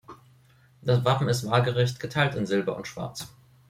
Das Wappen ist waagrecht geteilt in Silber und Schwarz.